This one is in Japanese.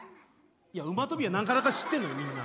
いや馬跳びはなかなか知ってんのよみんな。